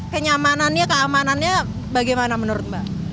kenyamanannya keamanannya bagaimana menurut mbak